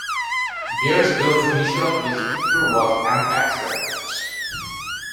Bearsville's initial distributor was Ampex Records.